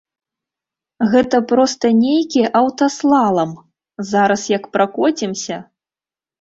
Гэта проста нейкі аўтаслалам, зараз як пракоцімся!